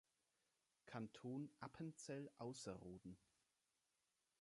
Kanton Appenzell-Ausserrhoden